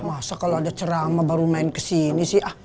masa kalo ada ceramah baru main kesini sih ah